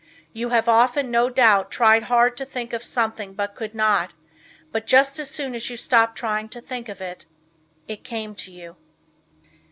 You have often no doubt tried hard to think of something but could not, but just as soon as you stopped trying to think of it, it came to you.